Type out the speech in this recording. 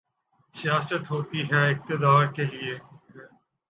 سیاست ہوتی ہی اقتدار کے لیے ہے۔